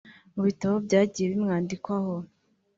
Mu bitabo byagiye bimwandikwaho